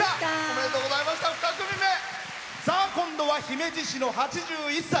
今度は姫路市の８１歳。